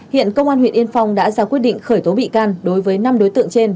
hiện công an huyện yên phong đã ra quyết định khởi tố bị can đối với năm đối tượng trên